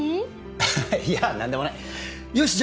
あっいや何でもないよしじゃ